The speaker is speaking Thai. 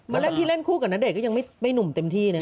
วันเรื่องที่แว่นคู่กับนาเตะก็ยังไม่หนุ่มเต็มที่เนอะ